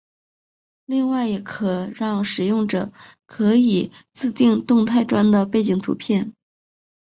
另外也让使用者可以自订动态砖的背景图片。